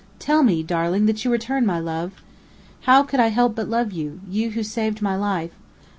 Tell me, darling, that you return my love!" "How could I help but love you you who saved my life?